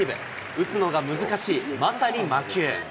打つのが難しいまさに魔球。